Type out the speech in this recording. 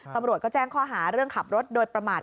ตำรวจก็แจ้งข้อหาเรื่องขับรถโดยประมาท